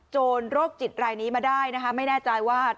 โจรโรคจิตรายนี้มาได้ไม่แน่ใจว่า